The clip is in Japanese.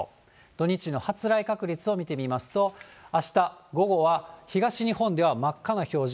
土日の発雷確率を見てみますと、あした午後は、東日本では真っ赤な表示。